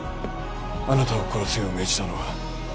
あなたを殺すよう命じたのは